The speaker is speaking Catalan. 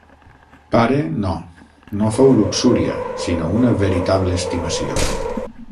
Pare, no: no fou luxúria, sinó una veritable estimació.